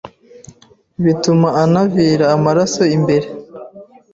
bituma anavira amaraso imbere